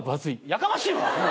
やかましいわ！